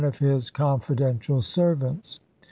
CLIII of his confidential servants.